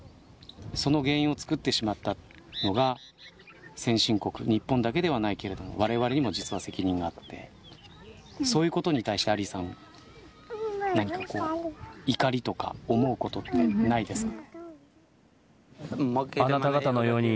その原因を作ってしまったのが先進国、日本だけではないけれどもわれわれにも責任があってそういうことに対してアリさんは何か怒りとか思うことはないですか。